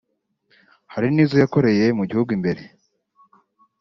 Hari n’izo yakoreye mu gihugu imbere